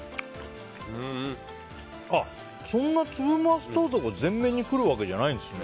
そんなに粒マスタードが前面に来るわけじゃないんですね。